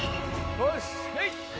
よし！